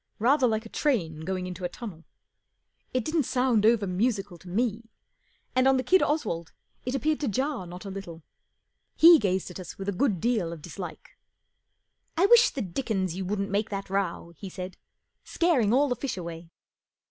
Rather like a train going into a tunnel. It didn't sound over musical to me, and on the kid Oswald it appeared to jar not a little. He gazed at us with a good deal of dislike. " I wish the dickens you wouldn't make that row," he said. 44 Scaring all the fish away."